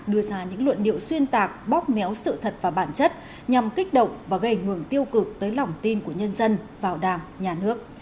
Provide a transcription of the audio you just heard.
đưa ra những luận điệu xuyên tạc bóc méo sự thật và bản chất nhằm kích động và gây nguồn tiêu cực tới lỏng tin của nhân dân bảo đảm nhà nước